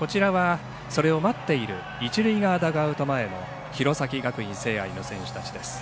それを待っている一塁側ダグアウト前の弘前学院聖愛の選手たち。